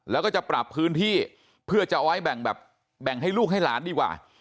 แล้วก็จะปรับพื้นที่เพื่อจะเอาไว้แบ่งแบบแบ่งให้ลูกให้หลานดีกว่า